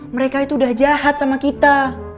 mereka itu udah jahat sama kita